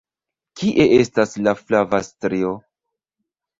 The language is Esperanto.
Kie estas la flava strio?